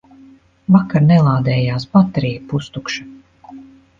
Vakar nelādējās, baterija pustukša.